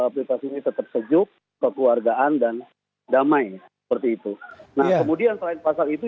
pilpres ini tetap sejuk kekeluargaan dan damai seperti itu nah kemudian selain pasal itu